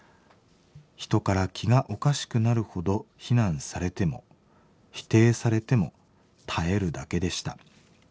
人から気がおかしくなるほど非難されても否定されても耐えるだけでした。